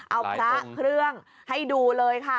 เอาพระเครื่องให้ดูเลยค่ะ